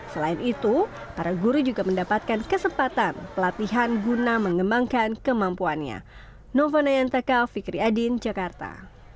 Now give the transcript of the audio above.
selain itu para guru juga mendapatkan kesempatan pelatihan guna mengembangkan kemampuannya